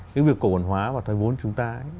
cái việc cổ quản hóa và thoái vốn chúng ta ấy